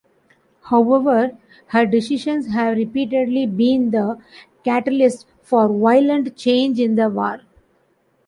However, her decisions have repeatedly been the catalyst for violent change and war.